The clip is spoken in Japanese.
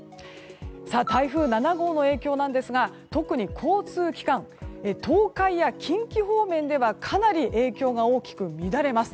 台風７号の影響なんですが特に交通機関東海や近畿方面ではかなり影響が大きく、乱れます。